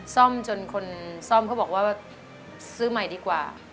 ซ่อมจนคนซ่อมเขาบอกว่าซื้อใหม่ดีกว่า